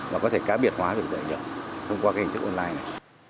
và có thể cá biệt hóa được dạy nhau thông qua hình thức online này